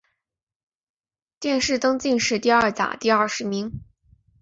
殿试登进士第二甲第二十名。